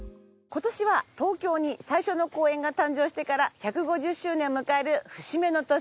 今年は東京に最初の公園が誕生してから１５０周年を迎える節目の年。